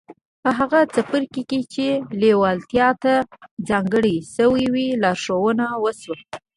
په هغه څپرکي کې چې لېوالتیا ته ځانګړی شوی و لارښوونه وشوه.